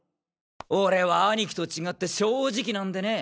俺は兄貴と違って正直なんでね。